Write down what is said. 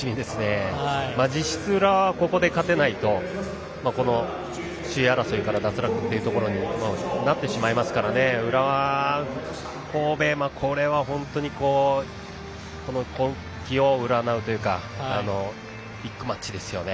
実質、浦和はここで勝てないとこの首位争いから脱落というところになってしまいますから浦和、神戸、これは本当に今季を占うというかビッグマッチですよね。